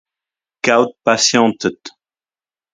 Kaout pasianted.